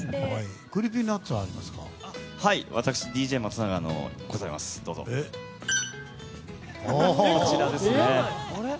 私、ＤＪ松永、ございます。